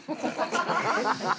ハハハハ！